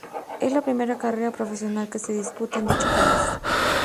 Es la primera carrera profesional que se disputa en dicho país.